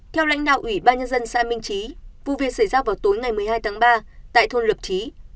theo lãnh đạo ủy ban nhân dân xã minh trí vụ việc xảy ra vào tối ngày một mươi hai tháng ba tại thôn lập trí